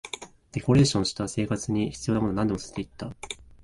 デコレーションした、生活に必要なものはなんでも乗せていった